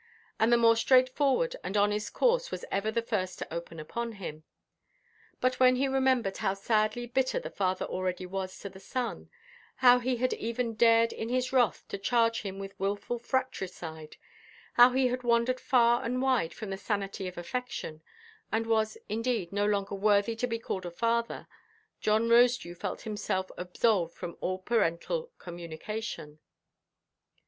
And the more straightforward and honest course was ever the first to open upon him. But, when he remembered how sadly bitter the father already was to the son, how he had even dared in his wrath to charge him with wilful fratricide, how he had wandered far and wide from the sanity of affection, and was, indeed, no longer worthy to be called a father, John Rosedew felt himself absolved from all parental communion.